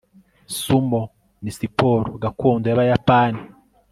sumo ni siporo gakondo y'abayapani